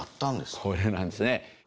これなんですね。